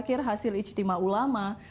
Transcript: terakhir hasil ijtima ulama